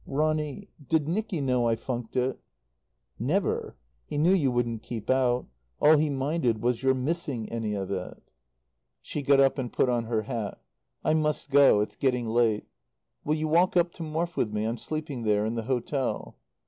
"Ronny. Did Nicky know I funked it?" "Never! He knew you wouldn't keep out. All he minded was your missing any of it." She got up and put on her hat. "I must go. It's getting late. Will you walk up to Morfe with me? I'm sleeping there. In the hotel."